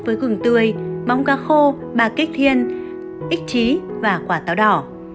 với gừng tươi bóng cá khô bà kích thiên xích trí và quả táo đỏ